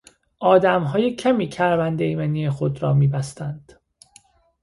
آدمهای کمی کمربند ایمنی خود را میبستند